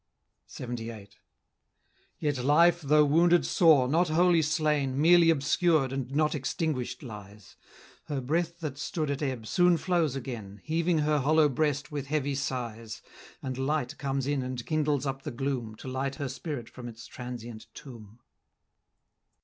LXXVIII. Yet life, though wounded sore, not wholly slain, Merely obscured, and not extinguish'd, lies; Her breath that stood at ebb, soon flows again, Heaving her hollow breast with heavy sighs, And light comes in and kindles up the gloom, To light her spirit from its transient tomb.